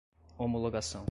homologação